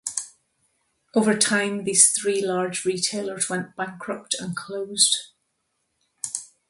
Over time, these three large retailers went bankrupt and closed.